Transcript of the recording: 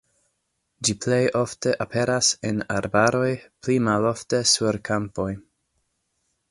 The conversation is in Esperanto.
Ĝi plej ofte aperas en arbaroj, pli malofte sur kampoj.